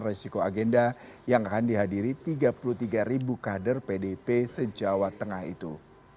resiko agenda yang akan dihadiri tiga puluh tiga kader pdip se jawa tengah itu